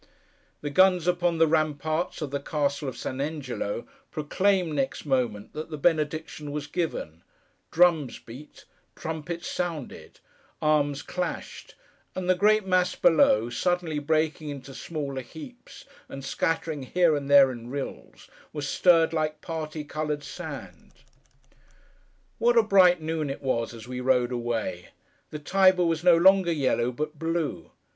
The guns upon the ramparts of the Castle of St. Angelo proclaimed, next moment, that the benediction was given; drums beat; trumpets sounded; arms clashed; and the great mass below, suddenly breaking into smaller heaps, and scattering here and there in rills, was stirred like parti coloured sand. What a bright noon it was, as we rode away! The Tiber was no longer yellow, but blue.